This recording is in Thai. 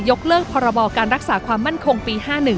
กเลิกพรบการรักษาความมั่นคงปี๕๑